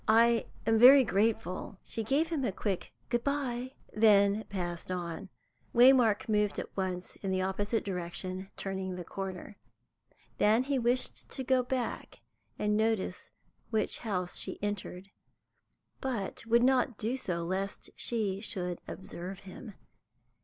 "I am very grateful." She gave him a quick "good bye," and then passed on. Waymark moved at once in the opposite direction, turning the corner. Then he wished to go back and notice which house she entered, but would not do so lest she should observe him.